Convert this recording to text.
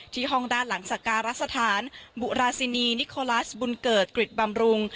ที่ห้องด้านหลังศักรรณสถานบุราศีนิโคลาสบุญเกิร์ตกฤทธิ์บำรุง